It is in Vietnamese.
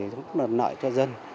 để lợi nợi cho dân